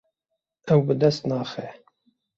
Ew bi dest naxe.